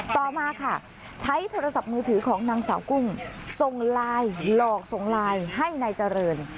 ต่อมาค่ะใช้โทรศัพท์มือถือของนางสาวกุ้งส่งไลน์หลอกส่งไลน์ให้นายเจริญ